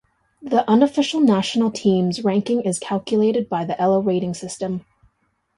The unofficial national teams ranking is calculated by the Elo rating system.